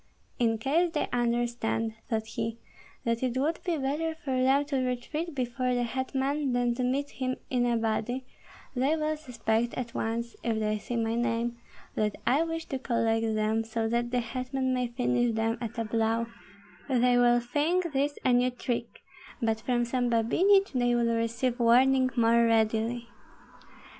"In case they understand," thought he, "that it would be better for them to retreat before the hetman than to meet him in a body, they will suspect at once, if they see my name, that I wish to collect them, so that the hetman may finish them at a blow; they will think this a new trick, but from some Babinich they will receive warning more readily."